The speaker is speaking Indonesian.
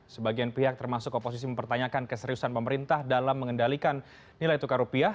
sebagian pihak termasuk oposisi mempertanyakan keseriusan pemerintah dalam mengendalikan nilai tukar rupiah